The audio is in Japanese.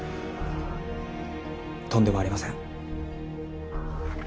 とんでもありません。